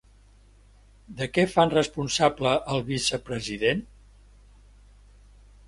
De què fan responsable el vicepresident?